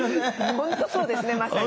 本当そうですねまさに。